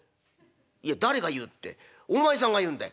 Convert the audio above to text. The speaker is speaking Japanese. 「いや誰が言うってお前さんが言うんだよ」。